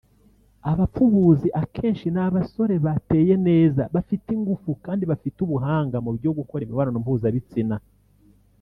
Abapfubuzi akenshi ni abasore bateye neza bafite ingufu kandi bafite ubuhanga mu byo gukora imibonano mpuzabitsina